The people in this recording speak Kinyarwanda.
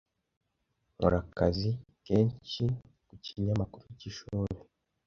Nkora akazi kenshi ku kinyamakuru cy'ishuri.